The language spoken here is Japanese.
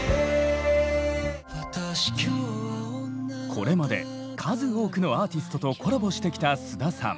これまで数多くのアーティストとコラボしてきた菅田さん。